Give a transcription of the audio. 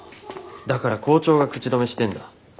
だから校長が口止めしてんだ。